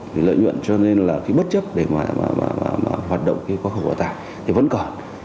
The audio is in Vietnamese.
cái lợi nhuận cho nên là cái bất chấp để mà hoạt động cái quá khổ quá tài thì vẫn còn